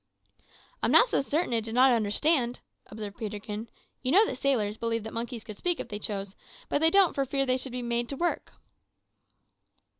"I'm not so certain that it did not understand," observed Peterkin. "You know that sailors believe that monkeys could speak if they chose, but they don't for fear that they should be made to work!"